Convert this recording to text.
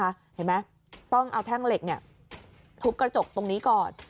เห็นไหมต้องเอาแท่งเหล็กทุบกระจกตรงนี้ก่อน